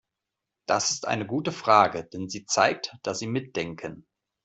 Das ist eine gute Frage, denn sie zeigt, dass Sie mitdenken.